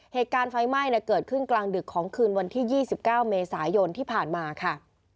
เหตุการณ์ไฟไหม้เกิดขึ้นกลางดึกของคืนวันที่๒๙เมษายนที่ผ่านมาค่ะ